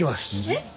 えっ？